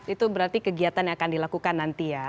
itu berarti kegiatan yang akan dilakukan nanti ya